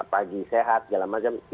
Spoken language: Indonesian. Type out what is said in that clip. pagi sehat segala macamnya